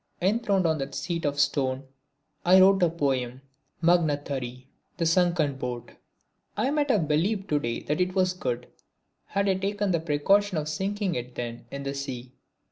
Enthroned on that seat of stone I wrote a poem Magnatari (the sunken boat). I might have believed to day that it was good, had I taken the precaution of sinking it then in the sea.